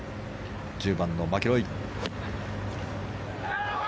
１０番のマキロイ。